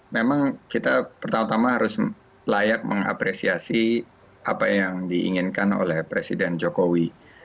memang kita pertama tama harus layak mengapresiasi apa yang diinginkan oleh presiden jokowi